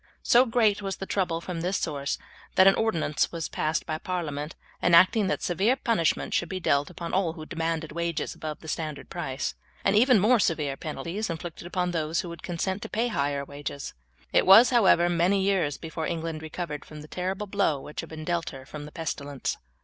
So great was the trouble from this source that an ordinance was passed by parliament enacting that severe punishment should be dealt upon all who demanded wages above the standard price, and even more severe penalties inflicted upon those who should consent to pay higher wages. It was, however, many years before England recovered from the terrible blow which had been dealt her from the pestilence.